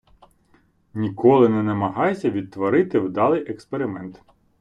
Ніколи не намагайся відтворити вдалий експеримент.